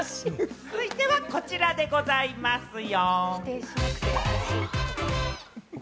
続いてはこちらでございますよ。